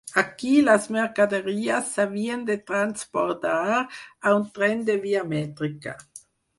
Aquí, les mercaderies s'havien de transbordar a un tren de via mètrica.